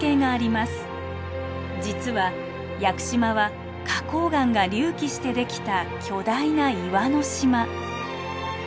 実は屋久島は花こう岩が隆起してできた巨大な岩の島。